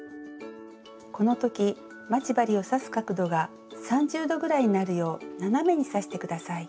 この時待ち針を刺す角度が３０度ぐらいになるよう斜めに刺して下さい。